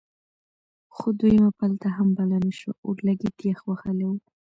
خو دویمه پلته هم بله نه شوه اورلګید یخ وهلی و.